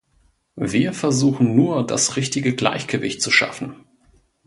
Wir versuchen nur, das richtige Gleichgewicht zu schaffen.